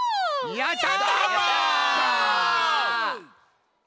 やったち！